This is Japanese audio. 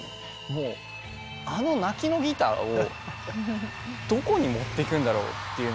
もうあの泣きのギターをどこにもっていくんだろうっていうのがあって。